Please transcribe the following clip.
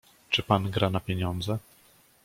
"„Czy pan gra na pieniądze?"